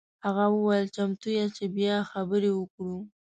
هغه وویل چمتو یاست چې بیا خبرې وکړو.